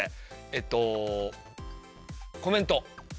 えっとコメント。